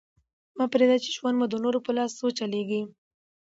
مه پرېږده، چي ژوند مو د نورو په لاس وچلېږي.